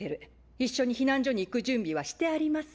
一緒に避難所に行く準備はしてあります。